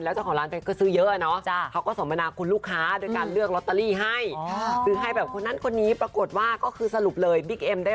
แล้วเจ้าของร้านเพชรก็ซื้อเยอะเนอะ